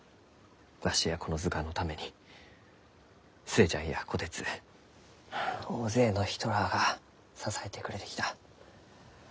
わしやこの図鑑のために寿恵ちゃんや虎鉄はあ大勢の人らあが支えてくれてきた。